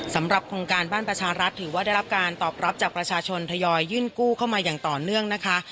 สำหรับโครงการบ้านประชารัฐถือว่าได้รับการตอบรับจากประชาชนทยอยยื่นกู้เข้ามาอย่างต่อเนื่องนะคะ